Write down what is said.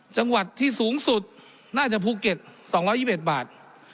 จังหวัดที่สูงสุดน่าจะภูเก็ต๒๒๑บาท